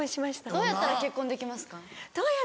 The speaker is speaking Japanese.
どうやったら結婚できますか？